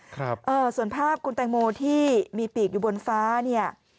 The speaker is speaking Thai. เอ่อส่วนภาพคุณแตงโมที่มีปีกอยู่บนฟ้าเนี่ย